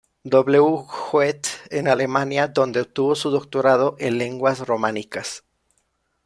W. Goethe en Alemania, donde obtuvo su doctorado en Lenguas Románicas.